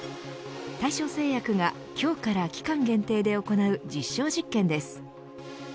大正製薬が今日から期間限定で行う実証実験です。